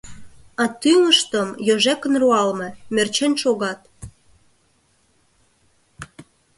А тӱҥыштым йожекын руалме, мерчен шогат.